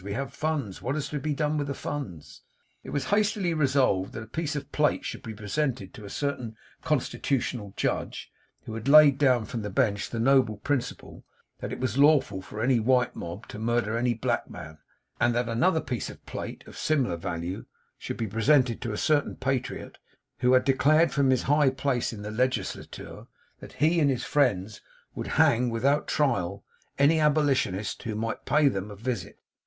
We have funds. What is to be done with the funds?' It was hastily resolved that a piece of plate should be presented to a certain constitutional Judge, who had laid down from the Bench the noble principle that it was lawful for any white mob to murder any black man; and that another piece of plate, of similar value should be presented to a certain Patriot, who had declared from his high place in the Legislature, that he and his friends would hang without trial, any Abolitionist who might pay them a visit.